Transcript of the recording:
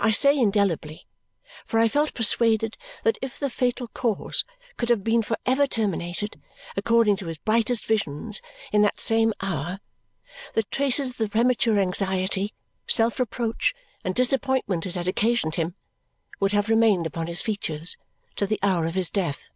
I say indelibly, for I felt persuaded that if the fatal cause could have been for ever terminated, according to his brightest visions, in that same hour, the traces of the premature anxiety, self reproach, and disappointment it had occasioned him would have remained upon his features to the hour of his death.